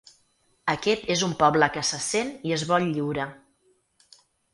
Aquest és un poble que se sent i es vol lliure.